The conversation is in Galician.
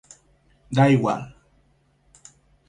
Dá igual.